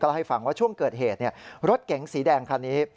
ให้ฟังว่าช่วงเกิดเหตุรถเก๋งสีแดงคันนี้